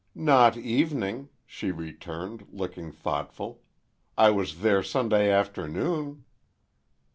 "Not evening," she returned, looking thoughtful. "I was there Sunday afternoon."